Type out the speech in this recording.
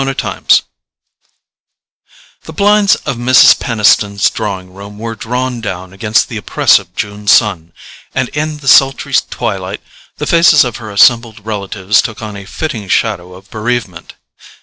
Chapter 4 The blinds of Mrs. Peniston's drawing room were drawn down against the oppressive June sun, and in the sultry twilight the faces of her assembled relatives took on a fitting shadow of bereavement.